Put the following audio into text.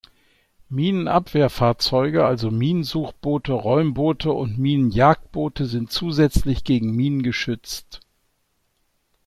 Minenabwehrfahrzeuge, also Minensuchboote, Räumboote und Minenjagdboote, sind zusätzlich gegen Minen geschützt.